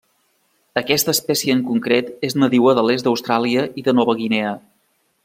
Aquesta espècie en concret és nadiua de l'est d'Austràlia i de Nova Guinea.